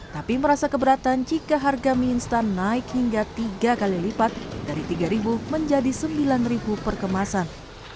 tapi merasa keberatan jika harga mie instan naik hingga tiga kali lipat dari rp tiga menjadi rp sembilan per kemasan